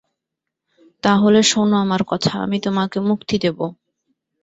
তা হলে শোনো আমার কথা, আমি তোমাকে মুক্তি দেব।